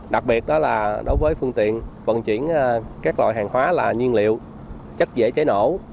đặc biệt đó là đối với phương tiện vận chuyển các loại hàng hóa là nhiên liệu chất dễ cháy nổ